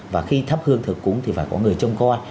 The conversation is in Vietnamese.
và khi tháp hương thử cúng thì phải có người trông coi